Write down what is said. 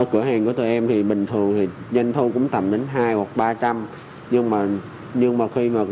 cửa hàng của tụi em thì bình thường thì doanh thu cũng tầm đến hai hoặc ba trăm linh